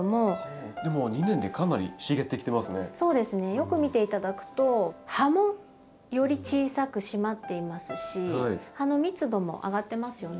よく見て頂くと葉もより小さく締まっていますし葉の密度も上がってますよね。